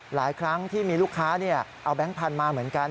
หลายครั้งที่มีลูกค้าเอาแบงค์พันธุ์มาเหมือนกัน